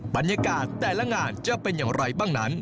บรรยากาศแต่ละงานจะเป็นอย่างไรบ้างนั้น